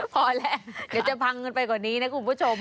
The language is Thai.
พอและเดี๋ยวจะฟังขึ้นไปก่อนนี้นะคุณผู้ชม